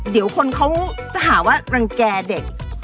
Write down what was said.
เดี๋ยวคนเขาจะหาว่ารังแก่เด็ก